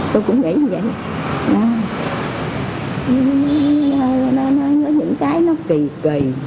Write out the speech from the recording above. nói như vậy nói những cái nó kỳ kỳ